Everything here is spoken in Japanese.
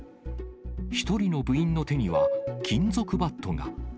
１人の部員の手には金属バットが。